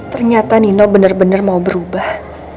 ternyata nino bener bener mau berubah